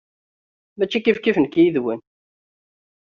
Mačči kifkif nekk yid-wen.